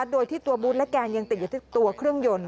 โดยที่ตัวบูธและแกนยังติดอยู่ที่ตัวเครื่องยนต์